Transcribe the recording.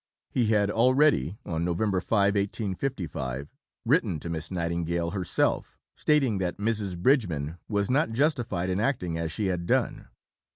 He had already, on November 5, 1855, written to Miss Nightingale herself, stating that Mrs. Bridgeman was not justified in acting as she had done.